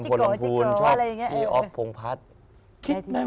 ชอบอันพลวงภูมิชอบพี่อ๊อฟพงภัทร์อะไรอย่างนี้เออใช่ที่นั้น